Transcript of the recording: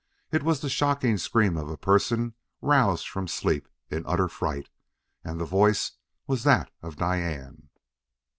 It was the shocking scream of a person roused from sleep in utter fright, and the voice was that of Diane.